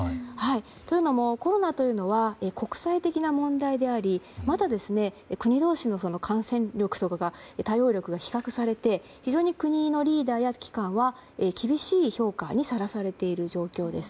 というのも、コロナというのは国際的な問題でありまだ国同士の感染力や対応力が比較されて非常に国のリーダーや機関は厳しい評価にさらされている状況です。